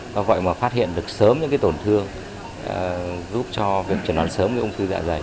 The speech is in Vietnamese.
nó gọi là phát hiện được sớm những tổn thương giúp cho việc trở nón sớm của ung thư dạ dày